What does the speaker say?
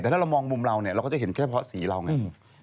แต่ถ้าเรามองมุมเราเนี่ยเราก็จะเห็นแค่เพราะสีเราไง